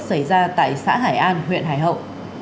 xảy ra tại xã hải an huyện hải hậu